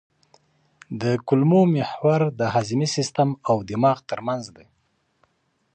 کولمو محور د هاضمي سیستم او دماغ ترمنځ دی.